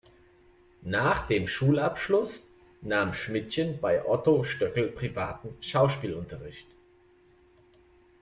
Nach dem Schulabschluss nahm Schmidtchen bei Otto Stoeckel privaten Schauspielunterricht.